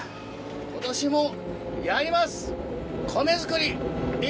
今年もやります！